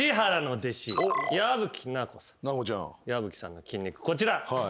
矢吹さんの筋肉こちら。